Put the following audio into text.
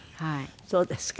そうですか。